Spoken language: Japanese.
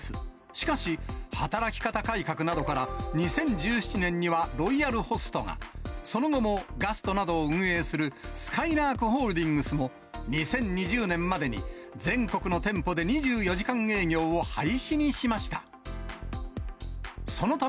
しかし、働き方改革などから、２０１７年にはロイヤルホストが、その後もガストなどを運営するすかいらーくホールディングスも、２０２０年までに全国の店舗で２４時間営業を廃止にしました。